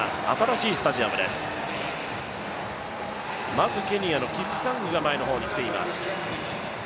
まずケニアのキプサングが前の方に来ています。